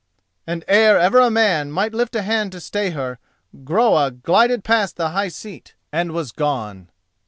And ere ever a man might lift a hand to stay her Groa glided past the high seat and was gone.